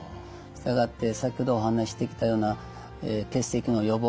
したがって先ほどお話ししてきたような結石の予防法